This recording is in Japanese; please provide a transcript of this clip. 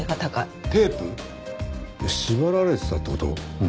縛られてたって事？